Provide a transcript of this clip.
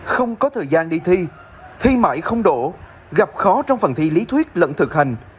không có thời gian đi thi thi mãi không đổ gặp khó trong phần thi lý thuyết lẫn thực hành